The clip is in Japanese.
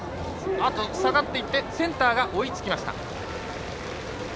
下がっていってセンターが追いつきました。